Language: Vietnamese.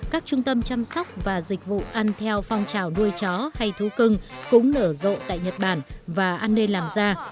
các trung tâm chăm sóc và dịch vụ ăn theo phong trào nuôi chó hay thú cưng cũng nở rộ tại nhật bản và an ninh làm ra